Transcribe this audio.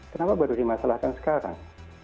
kenapa baru dimasalahkan sekarang